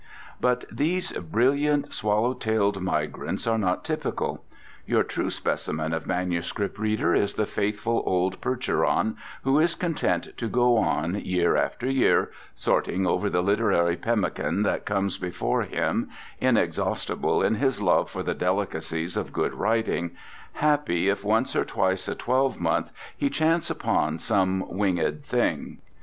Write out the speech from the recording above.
But these brilliant swallow tailed migrants are not typical. Your true specimen of manuscript reader is the faithful old percheron who is content to go on, year after year, sorting over the literary pemmican that comes before him, inexhaustible in his love for the delicacies of good writing, happy if once or twice a twelve month he chance upon some winged thing.